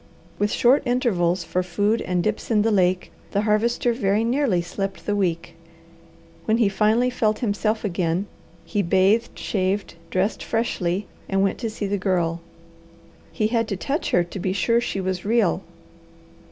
With short intervals for food and dips in the lake the Harvester very nearly slept the week. When he finally felt himself again, he bathed, shaved, dressed freshly, and went to see the Girl. He had to touch her to be sure she was real.